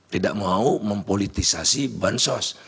tidak mau mempolitisasi ban sos